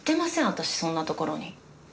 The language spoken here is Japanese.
私そんなところに。